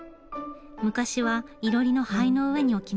昔はいろりの灰の上に置きました。